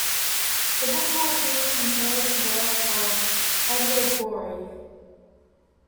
The book has been compared to the work of Edward Gorey.